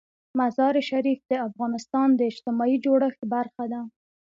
مزارشریف د افغانستان د اجتماعي جوړښت برخه ده.